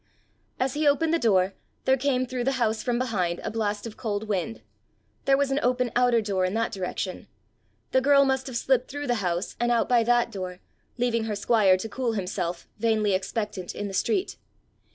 As he opened the door, there came through the house from behind a blast of cold wind: there was an open outer door in that direction! The girl must have slipped through the house, and out by that door, leaving her squire to cool himself, vainly expectant, in the street!